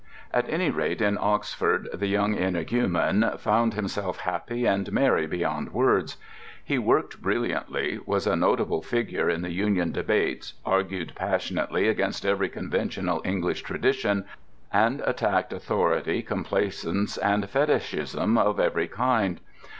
At any rate, in Oxford the young energumen found himself happy and merry beyond words: he worked brilliantly, was a notable figure in the Union debates, argued passionately against every conventional English tradition, and attacked authority, complacence, and fetichism of every kind.